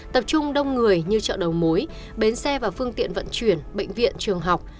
tập trung đông người như chợ đầu mối bến xe và phương tiện vận chuyển bệnh viện trường học